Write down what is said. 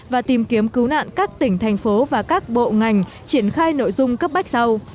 và tìm kiếm cứu nạn các tỉnh thành phố và các bộ ngành triển khai nội dung cấp bách sau